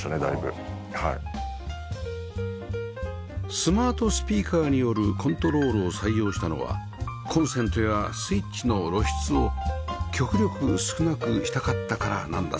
スマートスピーカーによるコントロールを採用したのはコンセントやスイッチの露出を極力少なくしたかったからなんだそうです